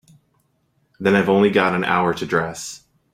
Then I've only got an hour to dress.